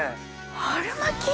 春巻き？